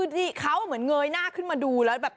คือเขาเหมือนเงยหน้าขึ้นมาดูแล้วแบบ